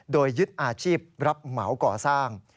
โดยยึดอาชีพรับเหมาก่อสร้าง